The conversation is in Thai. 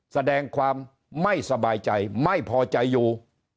แสดงความไม่สบายใจไม่พอใจอยู่